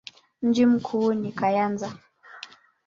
Mji mkuu ni Kayanza.